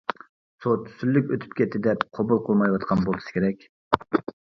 سوت سۈرۈك ئۆتۈپ كەتتى دەپ قوبۇل قىلمايۋاتقان بولسا كېرەك.